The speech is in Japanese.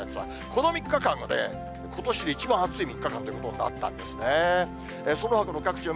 この３日間でことしで一番暑い３日間ということになったんですね。